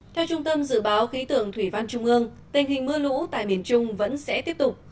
theo trung tâm dự báo khí tượng thủy văn trung ương tình hình mưa lũ tại miền trung vẫn sẽ tiếp tục